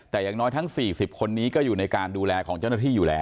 แต่อย่างน้อยทั้ง๔๐คนนี้ก็อยู่ในการดูแลของเจ้าหน้าที่อยู่แล้ว